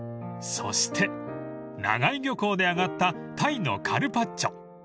［そして長井漁港であがったタイのカルパッチョ］